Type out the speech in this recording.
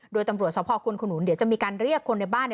โดยตำรวจสภควนขนุนเดี๋ยวจะมีการเรียกคนในบ้าน